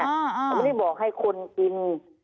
เขาไม่ได้บอกให้คนกิน